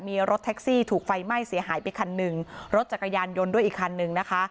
มีรถแท็กซี่ถูกไฟไหม้เสียหายไปคันหนึ่งรถจักรยานยนต์ด้วยอีกคันนึงนะคะ